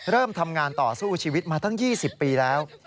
เริ่มทำงานต่อสู้ชีวิตมาตั้ง๒๐ปีแล้ว